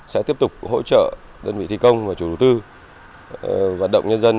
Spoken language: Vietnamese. sẽ tiếp tục hỗ trợ đơn vị thi công và chủ đầu tư vận động nhân dân